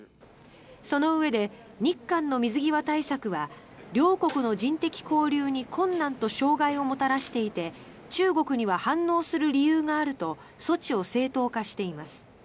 そのうえで、日韓の水際対策は両国の人的交流に困難と障害をもたらしていて中国には反応する理由があると措置を正当化しています。